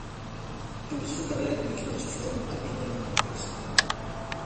Empezó su carrera en el equipo de su ciudad natal en Granollers.